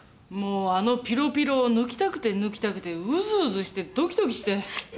もうあのピロピロを抜きたくて抜きたくてウズウズしてドキドキして。